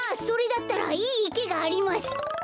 それだったらいいいけがあります。